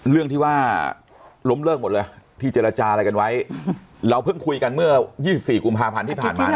เรื่องที่ว่าล้มเลิกหมดเลยที่เจรจาอะไรกันไว้เราเพิ่งคุยกันเมื่อ๒๔กุมภาพันธ์ที่ผ่านมา